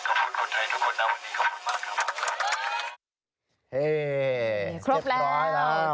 ขอบคุณคนไทยทุกคนณวันนี้ขอบคุณมากครับ